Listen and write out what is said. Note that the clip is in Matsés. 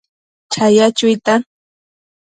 chaya chuitan